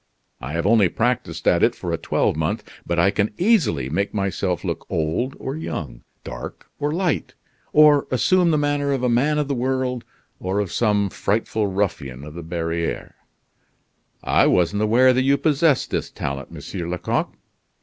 I have only practised at it for a twelvemonth, but I can easily make myself look old or young, dark or light, or assume the manner of a man of the world, or of some frightful ruffian of the barrieres." "I wasn't aware that you possessed this talent, Monsieur Lecoq."